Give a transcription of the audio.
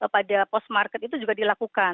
pada post market itu juga dilakukan